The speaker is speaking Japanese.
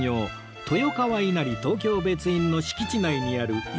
豊川稲荷東京別院の敷地内にある家元屋